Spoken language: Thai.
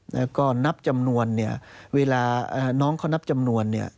แล้วก็นับจำนวนเนี่ยเวลาน้องเขานับจำนวนเนี่ย